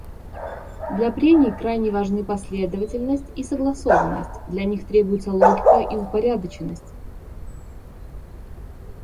Для прений крайне важны последовательность и согласованность; для них требуются логика и упорядоченность.